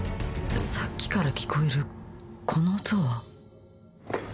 さっきから聞こえるこの音は